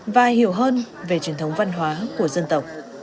và hiểu hơn về truyền thống văn hóa của dân tộc